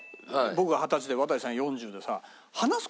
僕が二十歳で渡さん４０でさ。